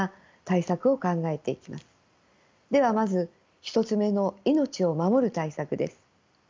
ではまず１つ目の命を守る対策です。